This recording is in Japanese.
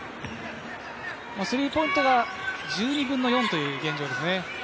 スリーポイントが１２分の４という現状ですね。